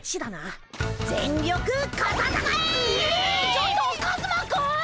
ちょっとカズマくん！